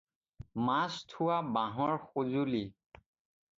মাছ থোৱা বাঁহৰ সঁজুলি।